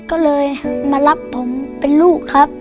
ก็เลยมารับผมเป็นลูกครับ